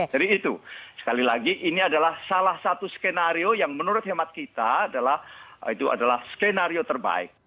jadi itu sekali lagi ini adalah salah satu skenario yang menurut hemat kita adalah skenario terbaik